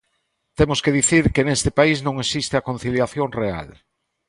Temos que dicir que neste país non existe a conciliación real.